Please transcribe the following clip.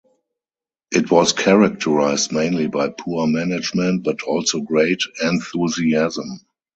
It was characterized mainly by poor management but also great enthusiasm.